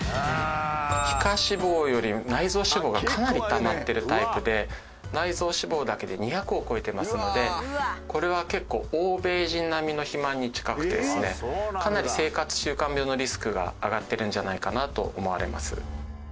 皮下脂肪より内臓脂肪がかなりたまってるタイプで内臓脂肪だけで２００を超えてますのでこれは結構欧米人並みの肥満に近くてですねかなり生活習慣病のリスクが上がってるんじゃないかなと思われます。